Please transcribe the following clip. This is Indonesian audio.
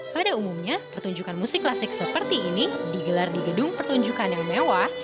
pada umumnya pertunjukan musik klasik seperti ini digelar di gedung pertunjukan yang mewah